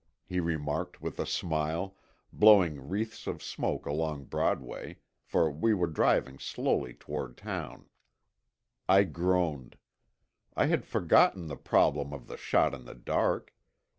he remarked with a smile, blowing wreaths of smoke along Broadway, for we were driving slowly toward town. I groaned. I had forgotten the problem of the shot in the dark.